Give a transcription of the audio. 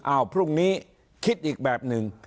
พรุ่งนี้คิดอีกแบบหนึ่ง